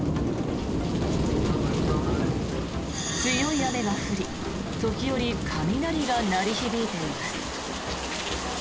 強い雨が降り時折、雷が鳴り響いています。